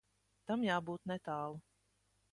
Tam jābūt netālu.